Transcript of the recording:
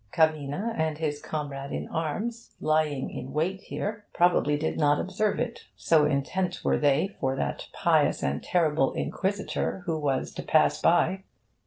Cavina and his comrade in arms, lying in wait here, probably did not observe it, so intent were they for that pious and terrible Inquisitor who was to pass by.